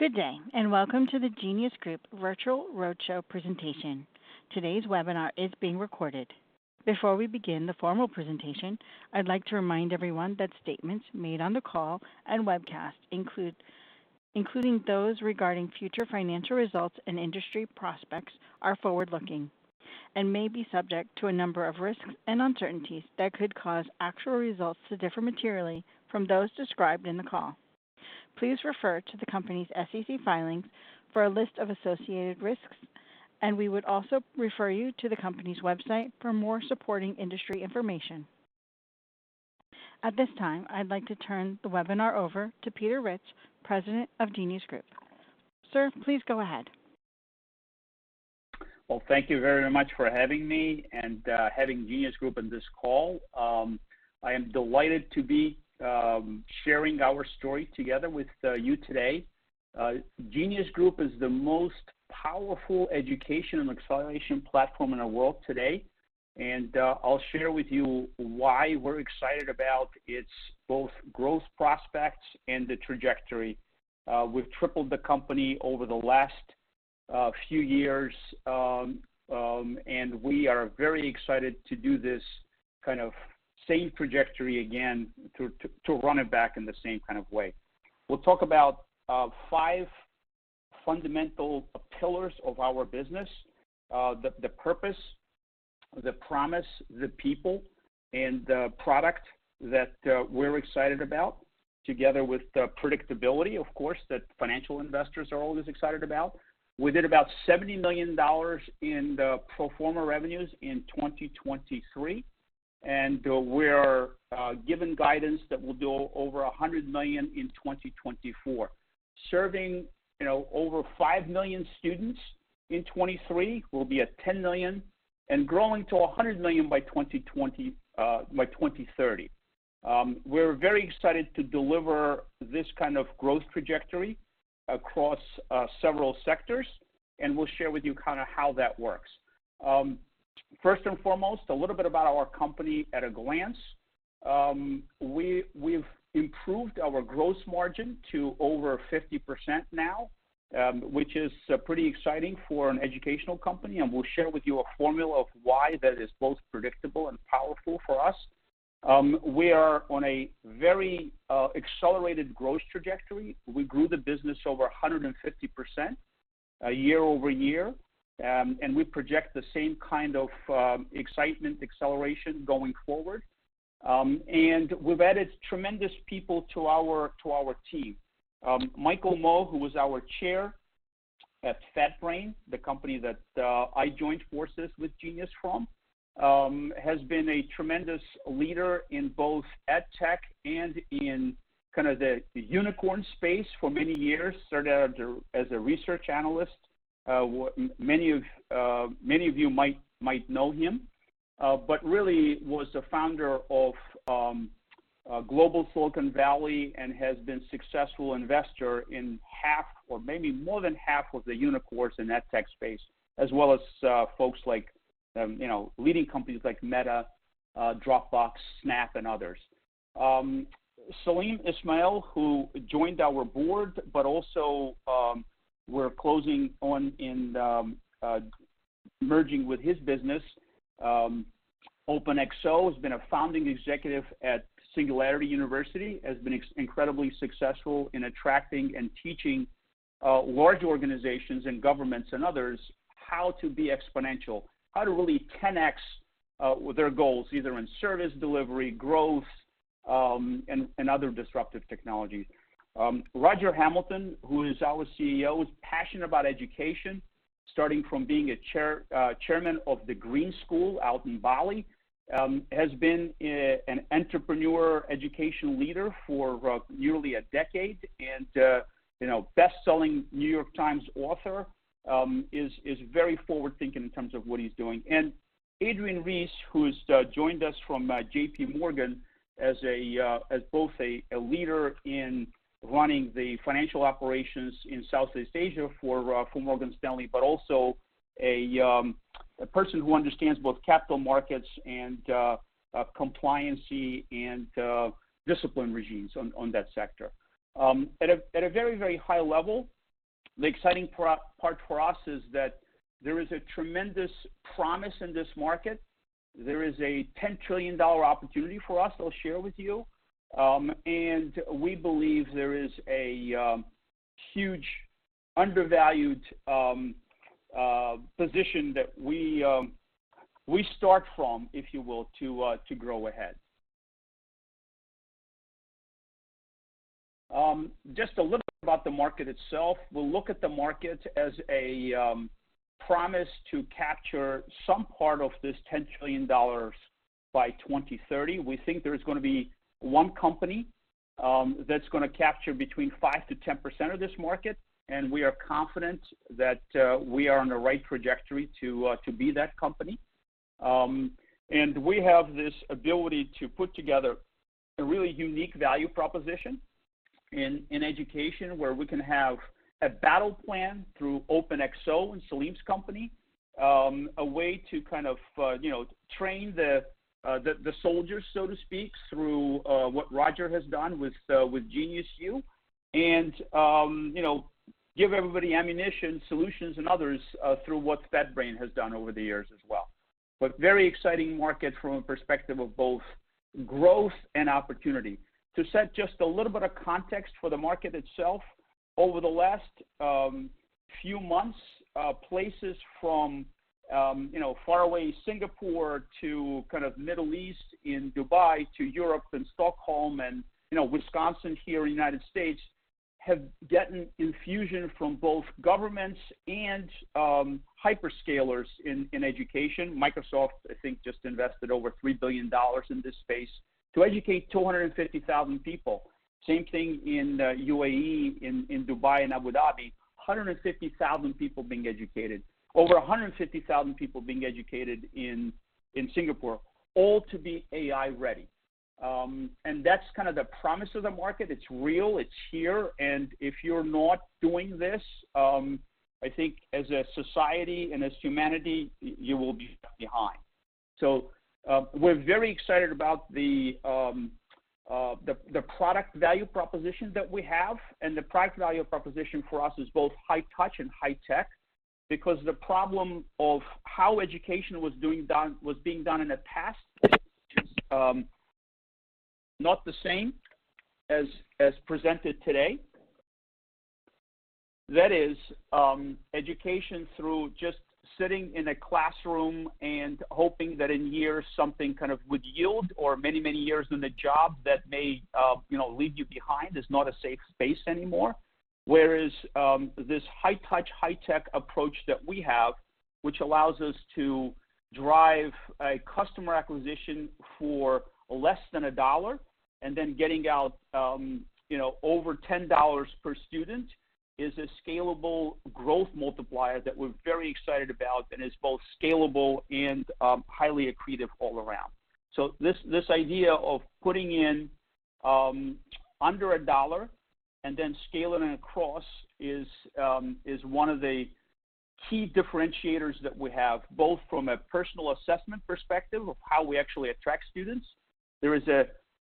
Good day, and welcome to the Genius Group Virtual Roadshow presentation. Today's webinar is being recorded. Before we begin the formal presentation, I'd like to remind everyone that statements made on the call and webcast include, including those regarding future financial results and industry prospects, are forward-looking, and may be subject to a number of risks and uncertainties that could cause actual results to differ materially from those described in the call. Please refer to the company's SEC filings for a list of associated risks, and we would also refer you to the company's website for more supporting industry information. At this time, I'd like to turn the webinar over to Peter Ritz, President of Genius Group. Sir, please go ahead. Well, thank you very much for having me and, having Genius Group on this call. I am delighted to be, sharing our story together with, you today. Genius Group is the most powerful education and acceleration platform in the world today, and, I'll share with you why we're excited about its both growth prospects and the trajectory. We've tripled the company over the last, few years. And we are very excited to do this kind of same trajectory again, to run it back in the same kind of way. We'll talk about, five fundamental pillars of our business. The purpose, the promise, the people, and the product that, we're excited about, together with the predictability, of course, that financial investors are always excited about. We did about $70 million in the pro forma revenues in 2023, and we're giving guidance that we'll do over $100 million in 2024. Serving, you know, over 5 million students in 2023, we'll be at 10 million and growing to 100 million by 2020, by 2030. We're very excited to deliver this kind of growth trajectory across several sectors, and we'll share with you kind of how that works. First and foremost, a little bit about our company at a glance. We've improved our gross margin to over 50% now, which is pretty exciting for an educational company, and we'll share with you a formula of why that is both predictable and powerful for us. We are on a very accelerated growth trajectory. We grew the business over 150%, year-over-year. We project the same kind of excitement, acceleration going forward. We've added tremendous people to our team. Michael Moe, who was our Chair at FatBrain, the company that I joined forces with Genius from, has been a tremendous leader in both edtech and in kind of the unicorn space for many years. Started out as a research analyst. Many of you might know him. But really was the founder of Global Silicon Valley and has been successful investor in half or maybe more than half of the unicorns in that tech space, as well as folks like, you know, leading companies like Meta, Dropbox, Snap, and others. Salim Ismail, who joined our board, but also, we're closing in on merging with his business. OpenExO has been a founding executive at Singularity University, has been incredibly successful in attracting and teaching large organizations and governments and others how to be exponential. How to really 10x their goals, either in service delivery, growth, and other disruptive technologies. Roger Hamilton, who is our CEO, is passionate about education, starting from being a chairman of the Green School out in Bali. Has been an entrepreneur, educational leader for nearly a decade, and you know, bestselling New York Times author. Is very forward-thinking in terms of what he's doing. Adrian Reese, who's joined us from J.P. Morgan as both a leader in running the financial operations in Southeast Asia for Morgan Stanley, but also a person who understands both capital markets and compliance and disciplinary regimes on that sector. At a very, very high level, the exciting part for us is that there is a tremendous promise in this market. There is a $10 trillion opportunity for us, I'll share with you. And we believe there is a huge undervalued position that we start from, if you will, to grow ahead. Just a little bit about the market itself. We'll look at the market as a promise to capture some part of this $10 trillion by 2030. We think there is gonna be one company that's gonna capture between 5%-10% of this market, and we are confident that we are on the right trajectory to be that company. And we have this ability to put together a really unique value proposition in education, where we can have a battle plan through OpenExO and Salim's company. A way to kind of you know, train the soldiers, so to speak, through what Roger has done with GeniusU. And you know give everybody ammunition, solutions, and others through what FatBrain has done over the years as well. But very exciting market from a perspective of both growth and opportunity. To set just a little bit of context for the market itself, over the last few months, places from, you know, far away Singapore to kind of Middle East in Dubai to Europe and Stockholm, and, you know, Wisconsin here in the United States, have gotten infusion from both governments and hyperscalers in education. Microsoft, I think, just invested over $3 billion in this space to educate 250,000 people. Same thing in UAE, in Dubai and Abu Dhabi, 150,000 people being educated. Over 150,000 people being educated in Singapore, all to be AI-ready. And that's kind of the promise of the market. It's real, it's here, and if you're not doing this, I think as a society and as humanity, you will be left behind. So, we're very excited about the product value proposition that we have, and the product value proposition for us is both high touch and high tech. Because the problem of how education was being done in the past is not the same as presented today. That is, education through just sitting in a classroom and hoping that in years, something kind of would yield, or many, many years in a job that may, you know, leave you behind, is not a safe space anymore. Whereas, this high touch, high tech approach that we have, which allows us to drive a customer acquisition for less than $1, and then getting out, you know, over $10 per student, is a scalable growth multiplier that we're very excited about, and is both scalable and, highly accretive all around. So this, this idea of putting in, under $1 and then scaling it across is, is one of the key differentiators that we have, both from a personal assessment perspective of how we actually attract students. There is an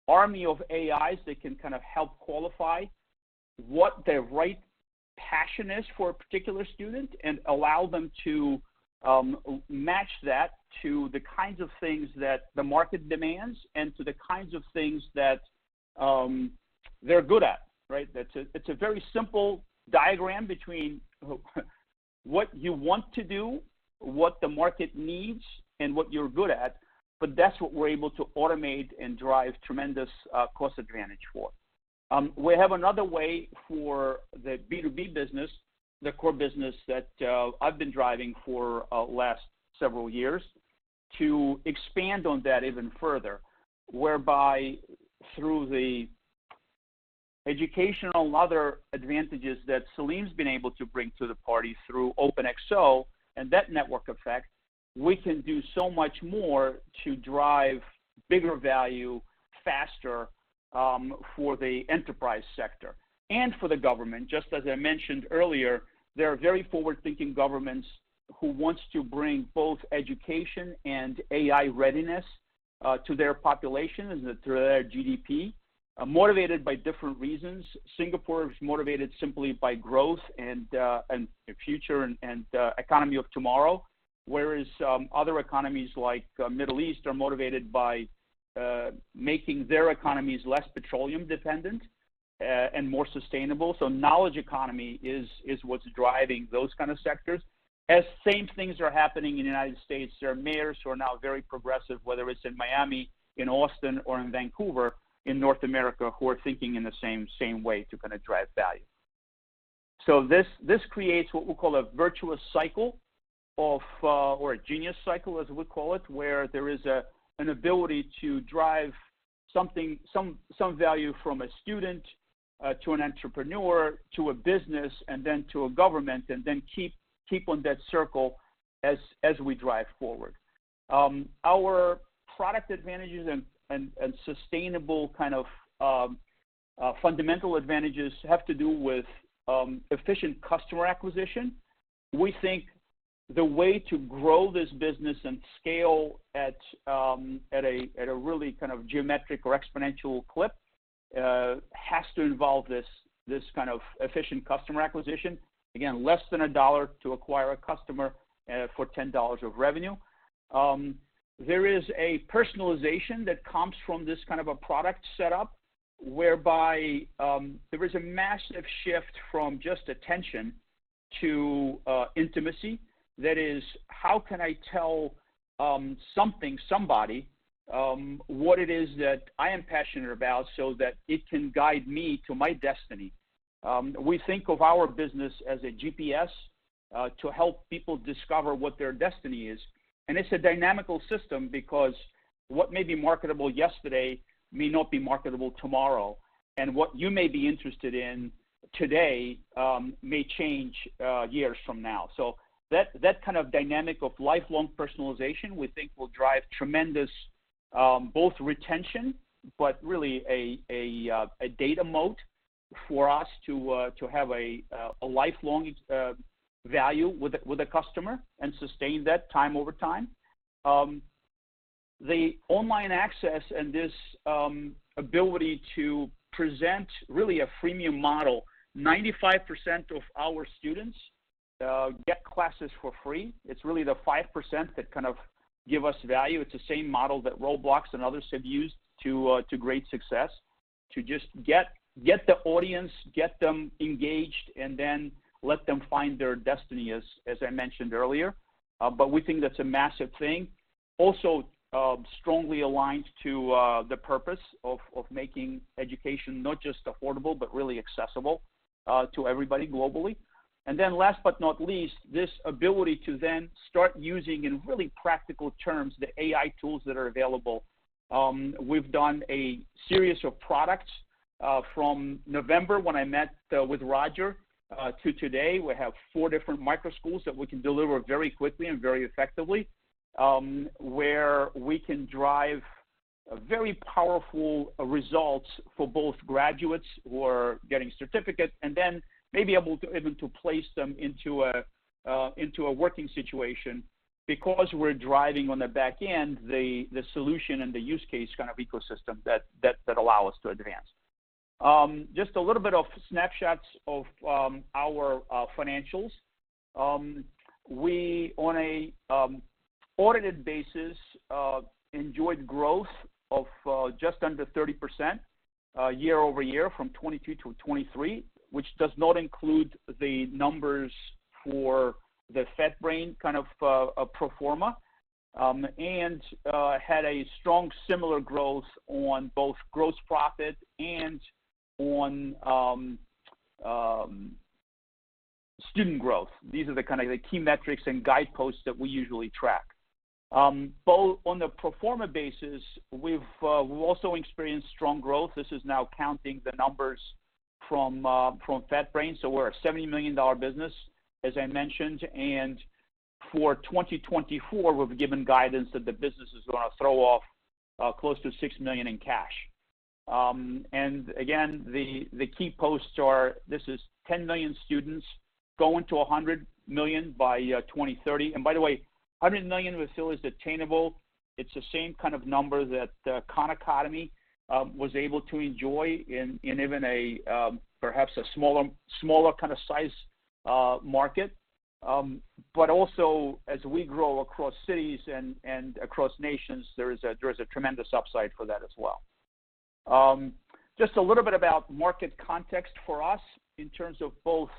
army of AIs that can kind of help qualify what the right passion is for a particular student and allow them to, match that to the kinds of things that the market demands and to the kinds of things that, they're good at, right? That's a very simple diagram between what you want to do, what the market needs, and what you're good at, but that's what we're able to automate and drive tremendous cost advantage for. We have another way for the B2B business, the core business that I've been driving for last several years, to expand on that even further, whereby through the educational other advantages that Salim's been able to bring to the party through OpenExO and that network effect, we can do so much more to drive bigger value faster for the enterprise sector and for the government. Just as I mentioned earlier, there are very forward-thinking governments who wants to bring both education and AI readiness to their population and through their GDP, motivated by different reasons. Singapore is motivated simply by growth and the future and economy of tomorrow, whereas other economies like Middle East are motivated by making their economies less petroleum dependent and more sustainable. So knowledge economy is what's driving those kind of sectors. As same things are happening in the United States, there are mayors who are now very progressive, whether it's in Miami, in Austin, or in Vancouver, in North America, who are thinking in the same way to kind of drive value. So this creates what we call a virtuous cycle of or a genius cycle, as we call it, where there is an ability to drive something—some value from a student to an entrepreneur, to a business, and then to a government, and then keep on that circle as we drive forward. Our product advantages and sustainable kind of fundamental advantages have to do with efficient customer acquisition. We think the way to grow this business and scale at a really kind of geometric or exponential clip has to involve this kind of efficient customer acquisition. Again, less than $1 to acquire a customer for $10 of revenue. There is a personalization that comes from this kind of a product setup, whereby there is a massive shift from just attention to intimacy. That is, how can I tell something, somebody what it is that I am passionate about so that it can guide me to my destiny? We think of our business as a GPS to help people discover what their destiny is. And it's a dynamic system because what may be marketable yesterday may not be marketable tomorrow. And what you may be interested in today may change years from now. So that kind of dynamic of lifelong personalization, we think will drive tremendous both retention, but really a data moat for us to have a lifelong value with a customer and sustain that time over time. The online access and this ability to present really a freemium model, 95% of our students get classes for free. It's really the 5% that kind of give us value. It's the same model that Roblox and others have used to great success, to just get the audience, get them engaged, and then let them find their destiny, as I mentioned earlier. But we think that's a massive thing. Also, strongly aligned to the purpose of making education not just affordable, but really accessible to everybody globally. And then last but not least, this ability to then start using, in really practical terms, the AI tools that are available. We've done a series of products from November, when I met with Roger, to today. We have four different micro schools that we can deliver very quickly and very effectively. Where we can drive very powerful results for both graduates who are getting certificates and then may be able to place them into a working situation because we're driving on the back end, the solution and the use case kind of ecosystem that allow us to advance. Just a little bit of snapshots of our financials. We on an audited basis enjoyed growth of just under 30% year-over-year from 2022 to 2023, which does not include the numbers for the FatBrain kind of pro forma. And had a strong similar growth on both gross profit and on student growth. These are the kind of key metrics and guideposts that we usually track. Both on the pro forma basis, we've also experienced strong growth. This is now counting the numbers from FatBrain, so we're a $70 million business, as I mentioned. And for 2024, we've given guidance that the business is gonna throw off close to $6 million in cash. And again, the key posts are, this is 10 million students going to 100 million by 2030. And by the way, 100 million we feel is attainable. It's the same kind of number that Khan Academy was able to enjoy in even a perhaps a smaller kind of size market. But also as we grow across cities and across nations, there is a tremendous upside for that as well. Just a little bit about market context for us in terms of both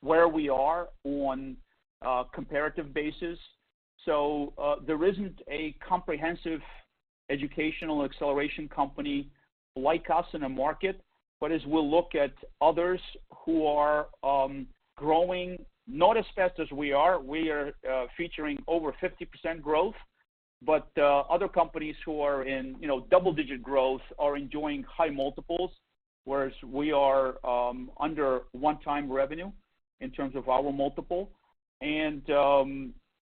where we are on a comparative basis. So there isn't a comprehensive educational acceleration company like us in the market, but as we'll look at others who are growing, not as fast as we are, we are featuring over 50% growth. But other companies who are in, you know, double-digit growth are enjoying high multiples, whereas we are under 1x revenue in terms of our multiple.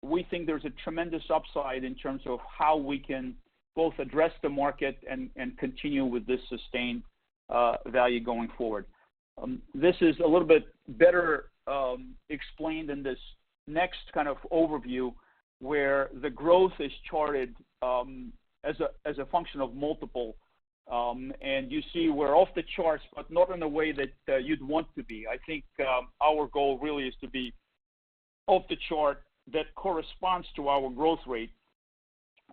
We think there's a tremendous upside in terms of how we can both address the market and continue with this sustained value going forward. This is a little bit better explained in this next kind of overview, where the growth is charted as a function of multiple. And you see we're off the charts, but not in a way that you'd want to be. I think, our goal really is to be off the chart that corresponds to our growth rate,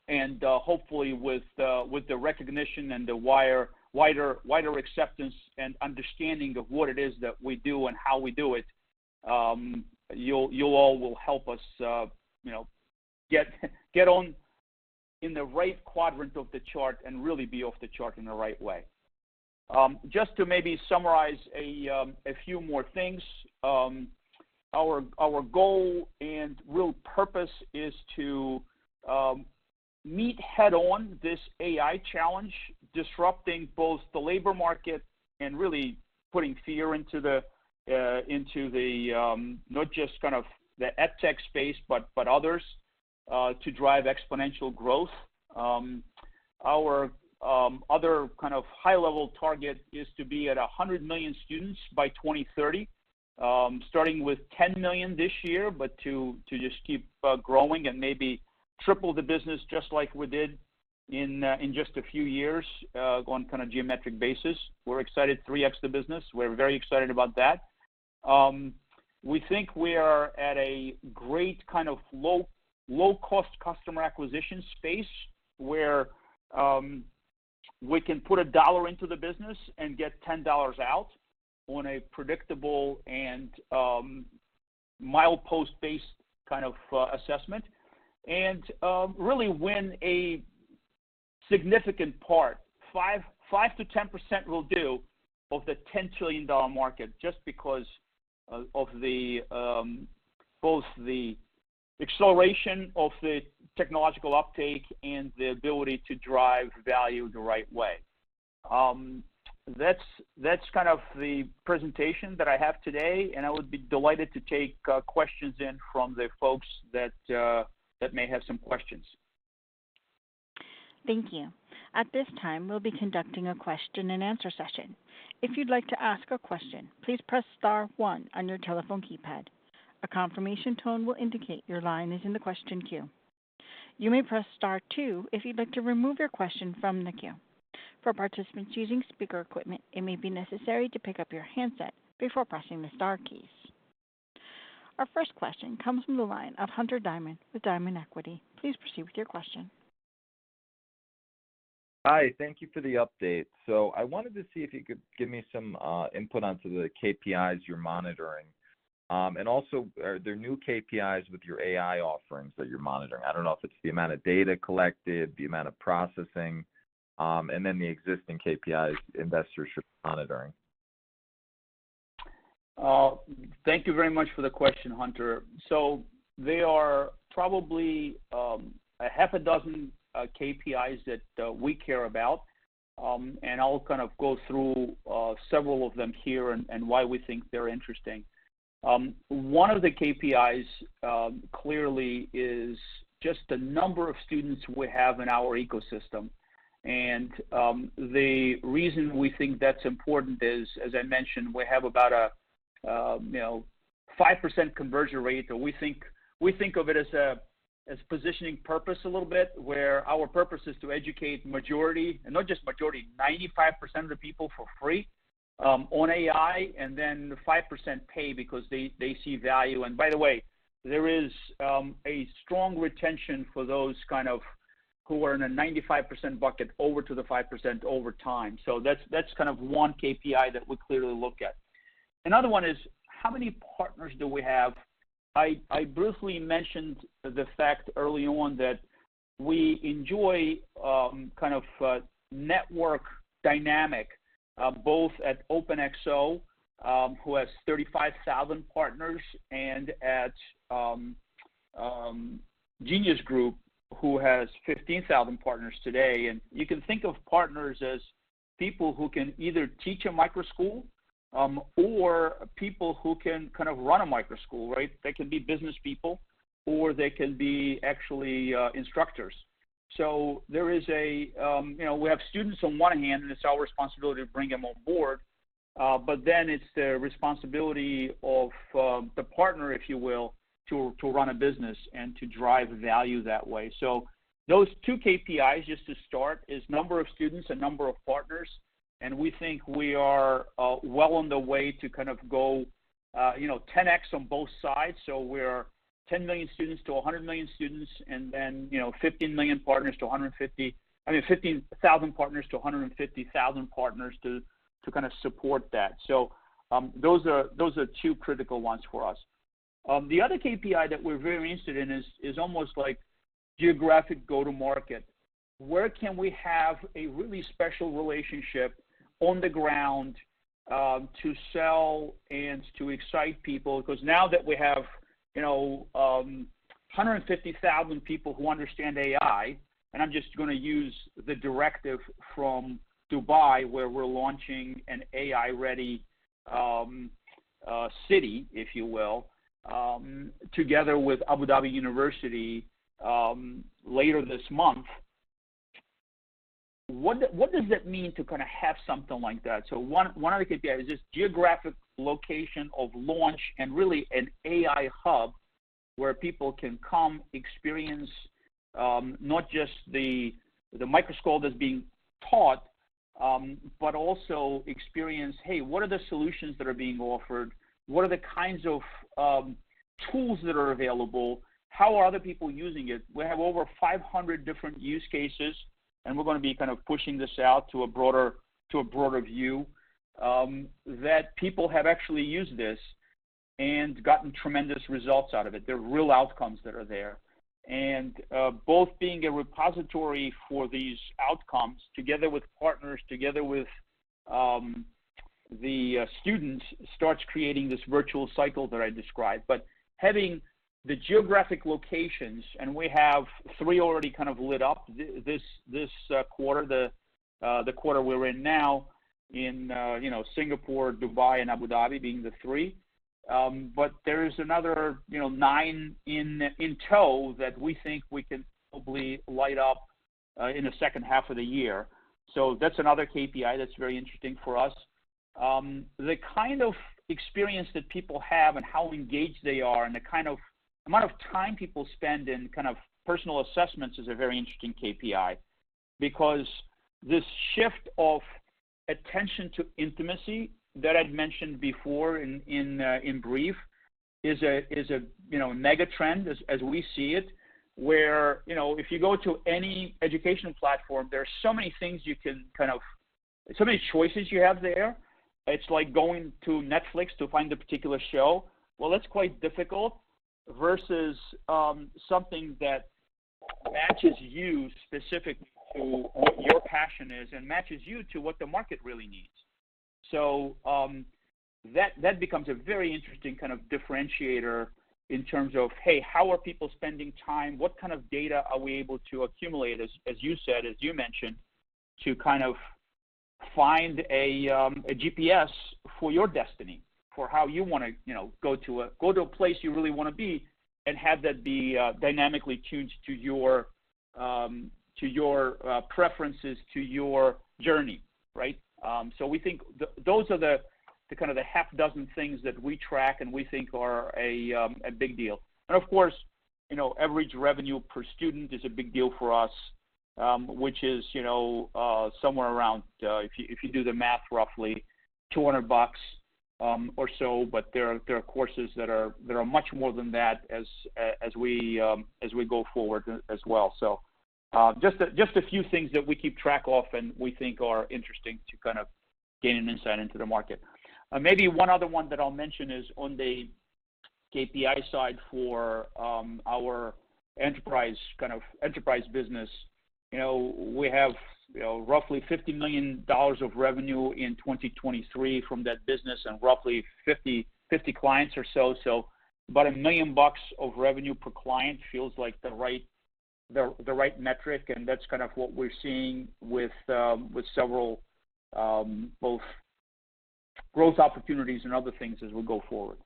and, hopefully with, with the recognition and the wider, wider acceptance and understanding of what it is that we do and how we do it, you'll, you all will help us, you know, get on in the right quadrant of the chart and really be off the chart in the right way. Just to maybe summarize a few more things. Our goal and real purpose is to meet head-on this AI challenge, disrupting both the labor market and really putting fear into the, into the, not just kind of the Edtech space, but, but others, to drive exponential growth. Our other kind of high-level target is to be at 100 million students by 2030. Starting with $10 million this year, but to just keep growing and maybe triple the business just like we did in just a few years on kind of geometric basis. We're excited, 3x the business. We're very excited about that. We think we are at a great kind of low-cost customer acquisition space, where we can put $1 into the business and get $10 out on a predictable and milepost-based kind of assessment. And really win a significant part, 5%-10% will do, of the $10 trillion market, just because of both the acceleration of the technological uptake and the ability to drive value the right way. That's kind of the presentation that I have today, and I would be delighted to take questions in from the folks that may have some questions.... Thank you. At this time, we'll be conducting a question and answer session. If you'd like to ask a question, please press star one on your telephone keypad. A confirmation tone will indicate your line is in the question queue. You may press star two if you'd like to remove your question from the queue. For participants using speaker equipment, it may be necessary to pick up your handset before pressing the star keys. Our first question comes from the line of Hunter Diamond with Diamond Equity. Please proceed with your question. Hi, thank you for the update. So I wanted to see if you could give me some input onto the KPIs you're monitoring. And also, are there new KPIs with your AI offerings that you're monitoring? I don't know if it's the amount of data collected, the amount of processing, and then the existing KPIs investors should be monitoring. Thank you very much for the question, Hunter. So there are probably 6 KPIs that we care about. And I'll kind of go through several of them here and why we think they're interesting. One of the KPIs clearly is just the number of students we have in our ecosystem. And the reason we think that's important is, as I mentioned, we have about a, you know, 5% conversion rate that we think- we think of it as a- as positioning purpose a little bit, where our purpose is to educate majority, and not just majority, 95% of the people for free, on AI, and then 5% pay because they see value. And by the way, there is a strong retention for those kind of who are in a 95% bucket over to the 5% over time. So that's kind of one KPI that we clearly look at. Another one is, how many partners do we have? I briefly mentioned the fact early on that we enjoy kind of network dynamic both at OpenExO, who has 35,000 partners, and at Genius Group, who has 15,000 partners today. And you can think of partners as people who can either teach a micro school, or people who can kind of run a micro school, right? They can be business people or they can be actually instructors. So there is a, you know, we have students on one hand, and it's our responsibility to bring them on board, but then it's the responsibility of the partner, if you will, to run a business and to drive value that way. So those two KPIs, just to start, is number of students and number of partners, and we think we are well on the way to kind of go, you know, 10x on both sides. So we're 10 million students to 100 million students, and then, you know, 15,000 partners to 150,000 partners to kind of support that. So those are, those are two critical ones for us. The other KPI that we're very interested in is almost like geographic go-to-market. Where can we have a really special relationship on the ground to sell and to excite people? Because now that we have, you know, 150,000 people who understand AI, and I'm just gonna use the directive from Dubai, where we're launching an AI-ready city, if you will, together with Abu Dhabi University later this month. What does it mean to kind of have something like that? So one other KPI is just geographic location of launch and really an AI hub where people can come experience not just the micro school that's being taught, but also experience, hey, what are the solutions that are being offered? What are the kinds of tools that are available? How are other people using it? We have over 500 different use cases, and we're gonna be kind of pushing this out to a broader, to a broader view, that people have actually used this and gotten tremendous results out of it. There are real outcomes that are there. And both being a repository for these outcomes, together with partners, together with the students, starts creating this virtual cycle that I described. But having the geographic locations, and we have three already kind of lit up this, this quarter, the quarter we're in now, in you know, Singapore, Dubai, and Abu Dhabi being the three. But there is another, you know, nine in tow that we think we can probably light up in the second half of the year. So that's another KPI that's very interesting for us. The kind of experience that people have and how engaged they are, and the kind of amount of time people spend in kind of personal assessments is a very interesting KPI. Because this shift of attention to intimacy that I'd mentioned before in brief is a you know mega trend as we see it, where you know if you go to any education platform, there are so many things you can kind of so many choices you have there. It's like going to Netflix to find a particular show. Well, that's quite difficult, versus something that matches you specific to what your passion is and matches you to what the market really needs. So that becomes a very interesting kind of differentiator in terms of, hey, how are people spending time? What kind of data are we able to accumulate, as you said, as you mentioned, to kind of find a GPS for your destiny, for how you wanna go to a place you really wanna be, and have that be dynamically tuned to your preferences, to your journey, right? So we think those are the kind of the half dozen things that we track and we think are a big deal. And of course, you know, average revenue per student is a big deal for us, which is, you know, somewhere around, if you do the math roughly, $200 or so. But there are courses that are much more than that as we go forward as well. So just a few things that we keep track of and we think are interesting to kind of gain an insight into the market. Maybe one other one that I'll mention is on the KPI side for our enterprise business. You know, we have roughly $50 million of revenue in 2023 from that business and roughly 50 clients or so. So about $1 million of revenue per client feels like the right metric, and that's kind of what we're seeing with several both growth opportunities and other things as we go forward.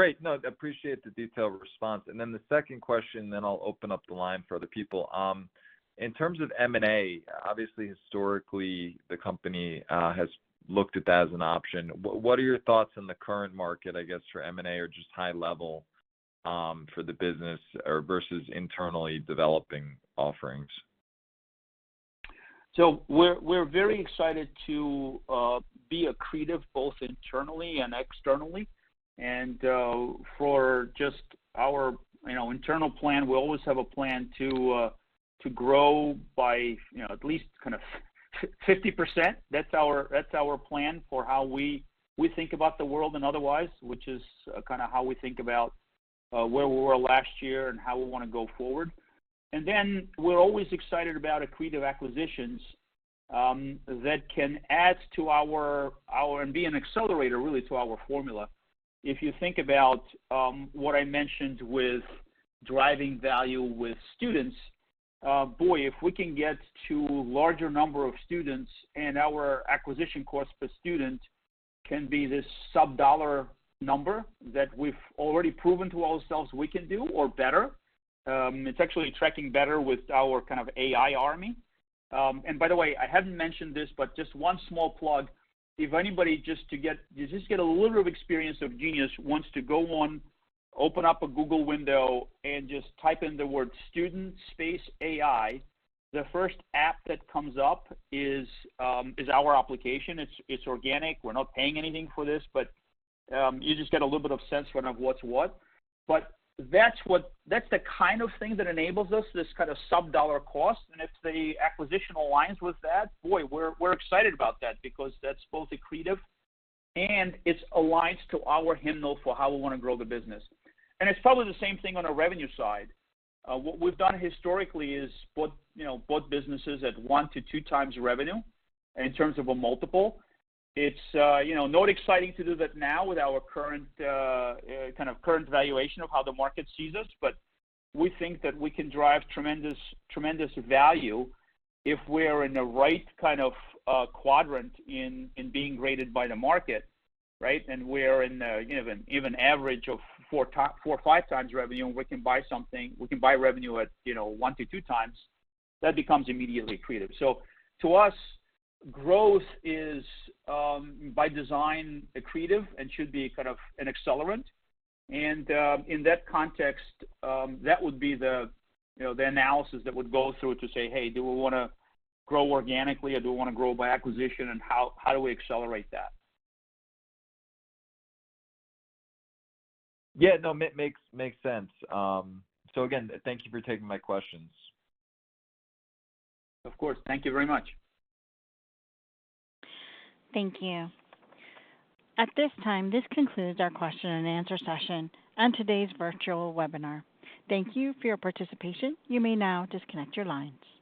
Great. No, I appreciate the detailed response. And then the second question, then I'll open up the line for other people. In terms of M&A, obviously, historically, the company has looked at that as an option. What are your thoughts on the current market, I guess, for M&A or just high level, for the business or versus internally developing offerings? So we're very excited to be accretive both internally and externally. For just our, you know, internal plan, we always have a plan to grow by, you know, at least kind of 50%. That's our plan for how we think about the world and otherwise, which is kind of how we think about where we were last year and how we wanna go forward. And then we're always excited about accretive acquisitions that can add to our, our and be an accelerator, really, to our formula. If you think about what I mentioned with driving value with students, boy, if we can get to larger number of students and our acquisition cost per student can be this sub-$1 number that we've already proven to ourselves we can do or better, it's actually tracking better with our kind of AI army. And by the way, I hadn't mentioned this, but just one small plug. If anybody just get a little of experience of Genius wants to go on, open up a Google window and just type in the word student space AI. The first app that comes up is our application. It's organic. We're not paying anything for this, but you just get a little bit of sense of kind of what's what. But that's the kind of thing that enables us, this kind of sub-$1 cost. And if the acquisition aligns with that, boy, we're, we're excited about that because that's both accretive, and it's aligns to our handle for how we wanna grow the business. And it's probably the same thing on the revenue side. What we've done historically is bought, you know, bought businesses at 1-2 times revenue in terms of a multiple. It's, you know, not exciting to do that now with our current, kind of current valuation of how the market sees us, but we think that we can drive tremendous, tremendous value if we're in the right kind of quadrant in being graded by the market, right? We're in a, you know, an even average of four or five times revenue, and we can buy something—we can buy revenue at, you know, one to two times, that becomes immediately accretive. To us, growth is, by design, accretive and should be kind of an accelerant. In that context, that would be the, you know, the analysis that would go through to say, "Hey, do we wanna grow organically, or do we wanna grow by acquisition? And how, how do we accelerate that? Yeah, no, makes sense. So again, thank you for taking my questions. Of course. Thank you very much. Thank you. At this time, this concludes our question and answer session and today's virtual webinar. Thank you for your participation. You may now disconnect your lines.